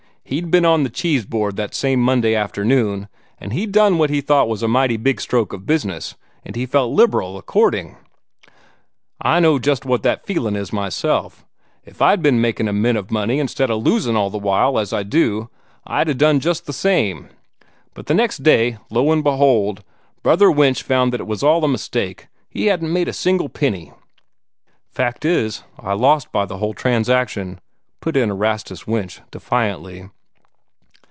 He'd be'n on the Cheese Board that same Monday afternoon, and he'd done what he thought was a mighty big stroke of business, and he felt liberal according. I know just what that feelin' is myself. If I'd be'n makin' a mint o' money, instead o' losin' all the while, as I do, I'd 'a' done just the same. But the next day, lo, and behold, Brother Winch found that it was all a mistake he hadn't made a single penny." "Fact is, I lost by the whole transaction," put in Erastus Winch, defiantly.